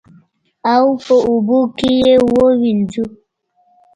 او په اوبو کې یې ووینځو.